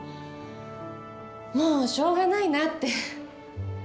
もうしょうがないなって。